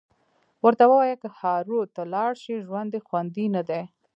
ورته ووایه که هارو ته لاړ شي ژوند یې خوندي ندی